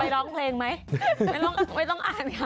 ร้องเพลงไหมไม่ต้องอ่านค่ะ